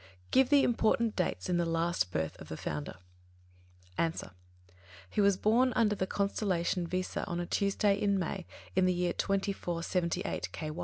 Give the important dates in the last birth of the Founder? A. He was born under the constellation Visā on a Tuesday in May, in the year 2478 (K.